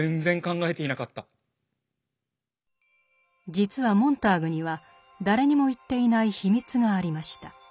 実はモンターグには誰にも言っていない秘密がありました。